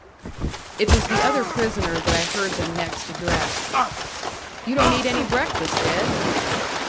It was the other prisoner that I heard them next address. "You don't eat any breakfast, Ed."